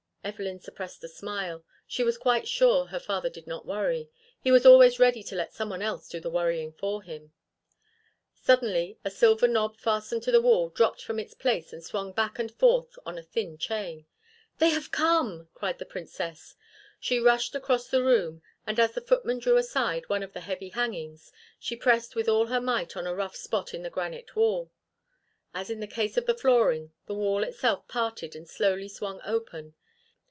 Evelyn suppressed a smile. She was quite sure her father did not worry. He was always ready to let someone else do the worrying for him. Suddenly a silver knob fastened to the wall dropped from its place and swung back and forth on a thin chain. "They have come!" cried the Princess. She rushed across the room, and as the footman drew aside one of the heavy hangings, she pressed with all her might on a rough spot in the granite wall. As in the case of the flooring, the wall itself parted and slowly swung open.